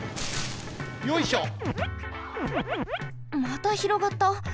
またひろがった。